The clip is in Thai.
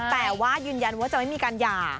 แต่ว่ายืนยันว่าจะไม่มีการหย่า